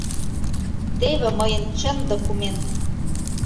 Теве мыйын чын документ.